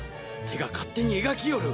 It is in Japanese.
手が勝手に描きよる。